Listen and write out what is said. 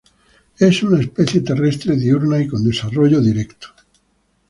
Es una especie terrestre, diurna y con desarrollo directo.